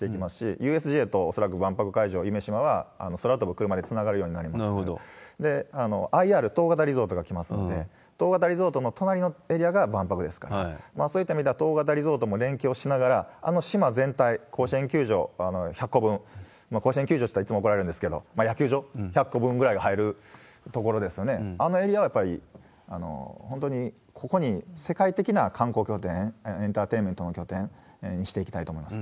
ＵＳＪと、恐らく万博会場、夢洲は、空飛ぶクルマでつながるようになりますから、ＩＲ・統合型リゾートが来ますので、統合型リゾートの隣のエリアが万博ですから、そういった意味では、統合型リゾートも連携をしながら、あの島全体、甲子園球場１００個分、甲子園球場って言ったらいつも来られるんですけれども、野球場１００個分ぐらいが入るところですよね、あのエリアはやっぱり、本当にここに世界的な観光拠点、エンターテインメントの拠点にしていきたいと思います。